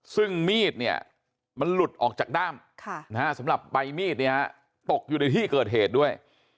ซึ่งมีดเนี่ยมันหลุดออกจากด้ามสำหรับใบมีดเนี่ยฮะตกอยู่ในที่เกิดเหตุด้วย